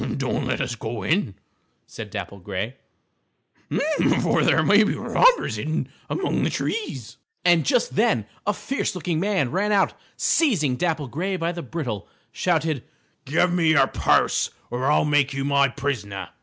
"Don't let us go in," said Dapple Gray, "for, there may be robbers hidden among the trees." And just then a fierce looking man ran out and, seizing Dapple Gray by the bridle, shouted: "Give me your purse, or I'll make you my prisoner!"